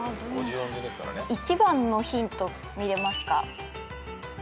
１番のヒント見れますか？